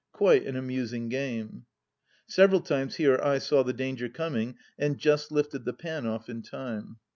Quite an amusing game ! Several times he or I saw the danger coming and just lifted the pan off in time.